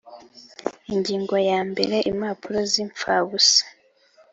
Ingingo ya mbere Impapuro z’impfabusa